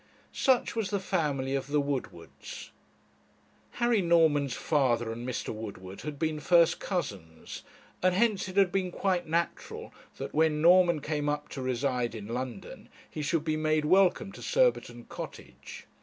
Such was the family of the Woodwards. Harry Norman's father and Mr. Woodward had been first cousins, and hence it had been quite natural that when Norman came up to reside in London he should be made welcome to Surbiton Cottage.